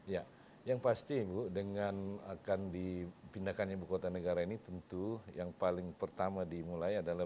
ya yang pasti ibu dengan akan dipindahkan ibu kota negara ini tentu yang paling pertama dimulai adalah